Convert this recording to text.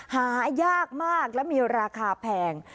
หายากมากและมีราคาแพง